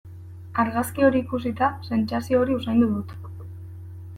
Argazki hori ikusita sentsazio hori usaindu dut.